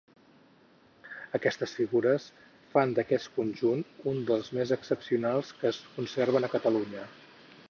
Aquestes figures fan d’aquest conjunt un dels més excepcionals que es conserven a Catalunya.